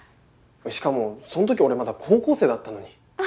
しかもその時俺まだ高校生だったのに。